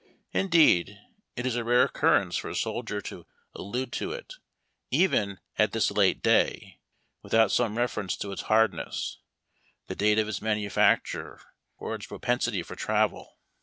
Indeed, it is a rare occurrence for a soldier to allude to it, even at this late day, without some reference to its hardness, the date of its manufacture, or its propensity for travel.